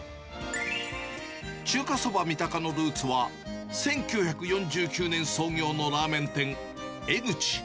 中華そばみたかのルーツは、１９４９年創業のラーメン店、江ぐち。